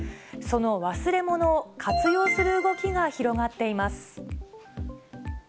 その忘れ物を活用する動きが広がっています。